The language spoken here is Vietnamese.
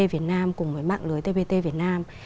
việt nam cùng với mạng lưới tpt việt nam